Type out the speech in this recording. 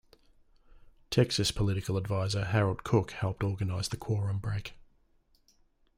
Texas political advisor Harold Cook helped organize the quorum break.